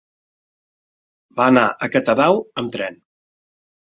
Va anar a Catadau amb tren.